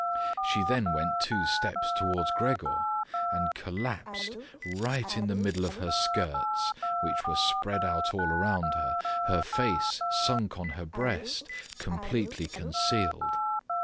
She then went two steps towards Gregor and collapsed right in the middle of her skirts, which were spread out all around her, her face sunk on her breast, completely concealed.